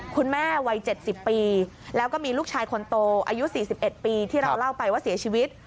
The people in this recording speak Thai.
วัย๗๐ปีแล้วก็มีลูกชายคนโตอายุ๔๑ปีที่เราเล่าไปว่าเสียชีวิต